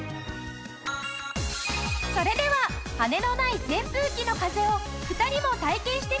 それでは羽根のない扇風機の風を２人も体験してみよう。